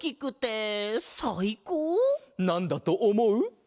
なんだとおもう？